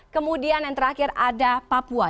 kemudian yang terakhir ada papua